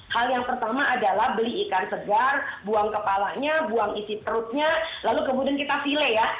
hal yang pertama adalah beli ikan segar buang kepalanya buang isi perutnya lalu kemudian kita file ya